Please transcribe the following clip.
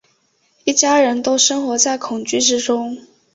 一家人都生活在恐惧之中